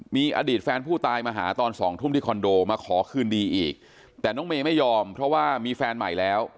มีอดีตแฟนผู้ตายมาหาตอนสองทุ่มที่คอนโดมาขอคืนดีอีกแต่น้องเมย์ไม่ยอมเพราะว่ามีแฟนใหม่แล้ว